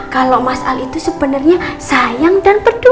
kalau mas al itu sebenernya saya yang nilai dia